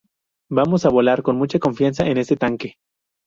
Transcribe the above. Vamos a volar con mucha confianza en este tanque.